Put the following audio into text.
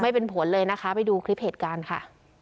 ไม่เป็นผลเลยนะคะไปดูคลิปเหตุการณ์ค่ะ